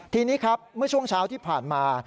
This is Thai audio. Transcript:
ทีนี้ครับเมื่อช่วงเช้าที่ผ่านมา